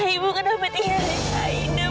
ibu kenapa tinggalin aida